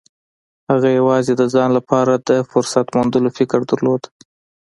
هغه يوازې د ځان لپاره د فرصت موندلو فکر درلود.